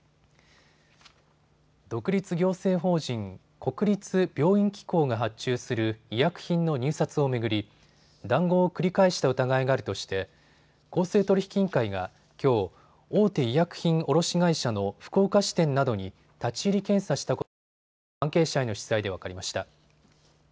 独立行政法人国立病院機構が発注する医薬品の入札を巡り、談合を繰り返した疑いがあるとして公正取引委員会が、きょう大手医薬品卸会社の福岡支店などに立ち入り検査したことが関係者への取材で分かりました。